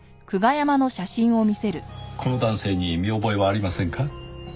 この男性に見覚えはありませんか？